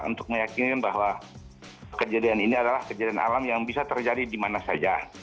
untuk meyakinkan bahwa kejadian ini adalah kejadian alam yang bisa terjadi di mana saja